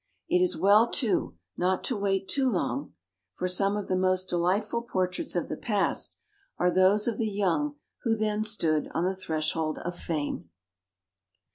It is well, too, not to wait too long, for some of the most delightful portraits of the past are those of the young who then stood on the threshold of fame.